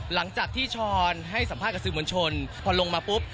หลังจากที่ช้อนให้สัมภาษณ์กับสื่อมวลชนพอลงมาปุ๊บ